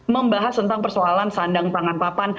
membahas tentang persoalan sandang tangan papan